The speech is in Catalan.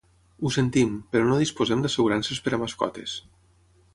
Ho sentim, però no disposem d'assegurances per a mascotes.